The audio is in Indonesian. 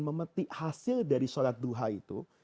memetik hasil dari sholat duha itu